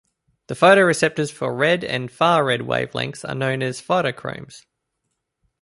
The photoreceptors for red and far-red wavelengths are known as phytochromes.